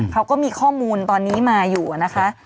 เขาก็มีข้อมูลตอนนี้มาอยู่นะคะ